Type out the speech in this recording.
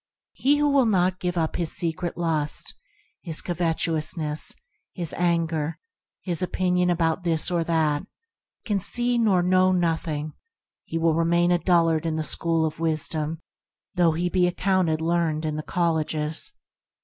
He who will not give up his secret lust, his covetousness, his anger, his opinion about this or that, can see nor know nothing; he will remain a dullard in the school of Wisdom, though he be accounted learned in the colleges.